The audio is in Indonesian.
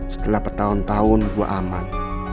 setelah bertahun tahun gua aman